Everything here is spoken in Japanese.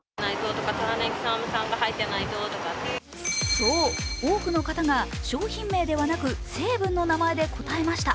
そう、多くの方が商品名ではなく成分の名前で答えました。